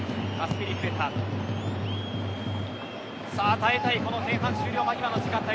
耐えたい、前半終了間際の時間帯。